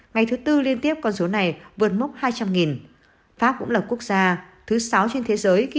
ngày thứ tư liên tiếp con số này vượt mốc hai trăm linh pháp cũng là quốc gia thứ sáu trên thế giới ghi